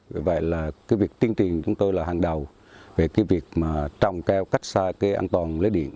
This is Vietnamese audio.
vì vậy là cái việc tiên trình của chúng tôi là hàng đầu về cái việc mà trồng keo cách xa cái an toàn lưới điện